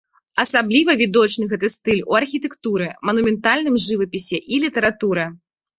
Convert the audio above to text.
Асабліва відочны гэты стыль у архітэктуры, манументальным жывапісе і літаратуры.